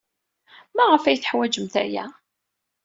Maɣef ay teḥwajemt aya?